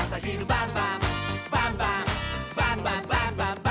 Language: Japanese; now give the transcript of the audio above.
「バンバンバンバンバンバン！」